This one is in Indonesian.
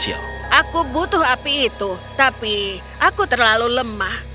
aku butuh api itu tapi aku terlalu lemah